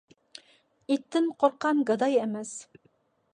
ئىتتىن قورققان گاداي ئەمەس.